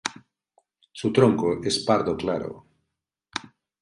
Su tronco es pardo claro.